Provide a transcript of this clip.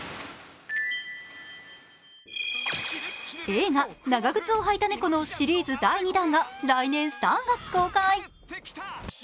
映画「長ぐつをはいたネコ」のシリーズ第２弾が来年３月公開。